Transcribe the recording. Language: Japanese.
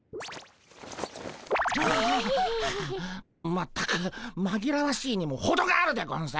全くまぎらわしいにもほどがあるでゴンス。